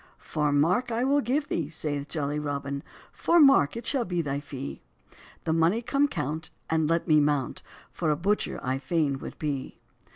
"Four mark I will give thee," saith jolly Robin, "Four mark it shall be thy fee; The mony come count, and let me mount, For a butcher I fain would be."